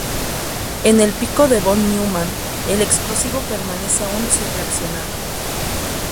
En el pico de von Neumann, el explosivo permanece aún sin reaccionar.